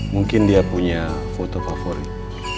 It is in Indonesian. mungkin dia punya foto favorit